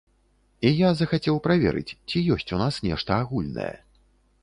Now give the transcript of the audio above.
І я захацеў праверыць, ці ёсць у нас нешта агульнае.